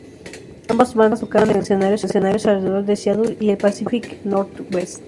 Ambas bandas tocaron en escenarios alrededor de Seattle y el Pacific Northwest.